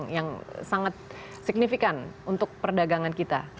yang sangat signifikan untuk perdagangan kita